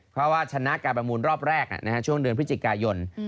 เพราะว่าชนะการประมูลรอบแรกช่วงเดือนพฤศจิกายน